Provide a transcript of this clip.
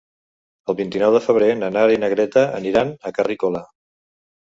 El vint-i-nou de febrer na Nara i na Greta aniran a Carrícola.